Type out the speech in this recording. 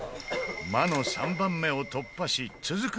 魔の３番目を突破し続く